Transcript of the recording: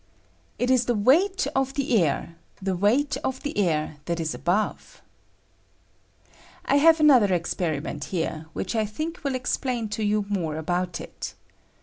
It is the weight of the air — the weight of the air that is above. I have another experiment here, which I think will explain to you more about I it.